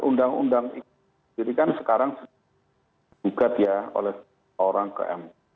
undang undang ini jadi kan sekarang sudah di gugat ya oleh orang km